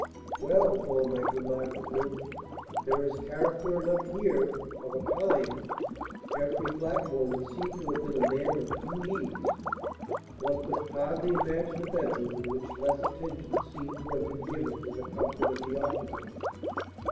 "Well," Thorndyke remarked at length, "there is character enough here of a kind. Jeffrey Blackmore would seem to have been a man of few needs. One could hardly imagine a bedroom in which less attention seemed to have been given to the comfort of the occupant."